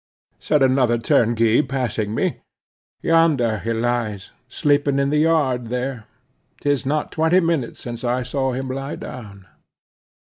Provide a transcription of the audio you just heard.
said another turnkey passing me. "Yonder he lies—sleeping in the yard there. 'Tis not twenty minutes since I saw him lie down."